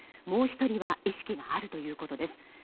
もう１人は意識があるということです。